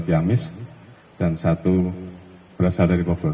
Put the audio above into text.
jamis dan satu berasal dari pobor